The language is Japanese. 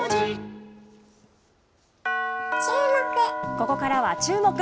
ここからはチューモク！